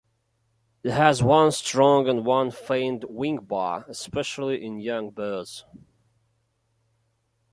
It has one strong and one faint wing bar, especially in young birds.